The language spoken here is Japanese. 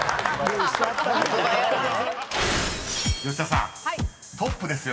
［吉田さんトップですよ